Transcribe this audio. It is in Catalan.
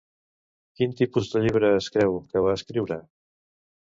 Quin tipus de llibre es creu que va escriure?